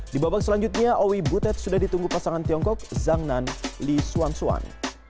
di babak selanjutnya owi butet sudah ditunggu pasangan tiongkok zhang nan lee suan suan